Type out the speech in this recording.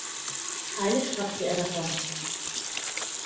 Eilig stratzte er davon.